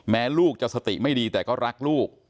ลูกจะสติไม่ดีแต่ก็รักลูก